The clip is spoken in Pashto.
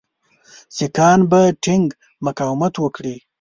سیکهان به ټینګ مقاومت وکړي.